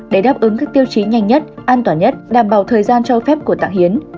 để đáp ứng các tiêu chí nhanh nhất an toàn nhất đảm bảo thời gian cho phép của tạng hiến